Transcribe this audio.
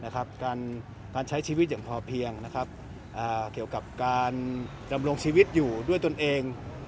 การใช้ชีวิตอย่างพอเพียงเกี่ยวกับการดำรงชีวิตอยู่ด้วยตนเอง